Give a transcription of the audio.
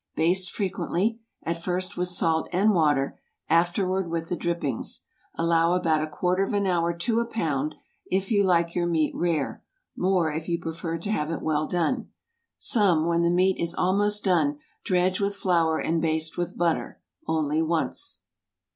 Baste frequently, at first with salt and water, afterward with the drippings. Allow about a quarter of an hour to a pound, if you like your meat rare; more, if you prefer to have it well done. Some, when the meat is almost done, dredge with flour and baste with butter—only once.